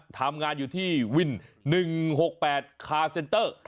ทำงานอยู่ที่วิน๑๖๘คาเซนเตอร์